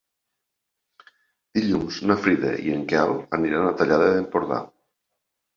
Dilluns na Frida i en Quel aniran a la Tallada d'Empordà.